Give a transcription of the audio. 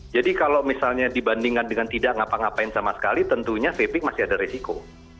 jadi kalau misalnya dibandingkan dengan tidak ngapa ngapain sama sekali tentunya vaping masih ada resiko